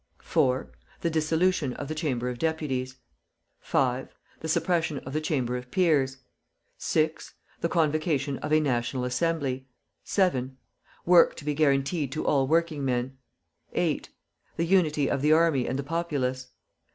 4. The dissolution of the Chamber of Deputies. 5. The suppression of the Chamber of Peers. 6. The convocation of a National Assembly. 7. Work to be guaranteed to all working men. 8. The unity of the army and the populace.